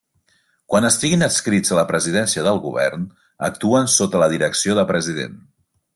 Quan estiguin adscrits a la Presidència del Govern, actuen sota la direcció de President.